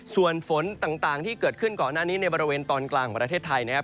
ส่วนฝนต่างที่เกิดขึ้นก่อนหน้านี้ในบริเวณตอนกลางของประเทศไทยนะครับ